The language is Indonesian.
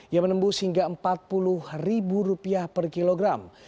yang menembus hingga empat puluh ribu rupiah per kilogram